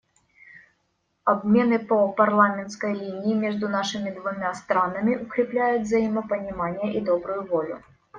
Обмены по парламентской линии между нашими двумя странами укрепляют взаимопонимание и добрую волю.